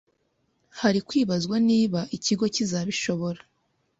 Hari kwibazwa niba ikigo kizabishobora